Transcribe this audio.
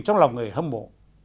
trong lòng người hâm mộ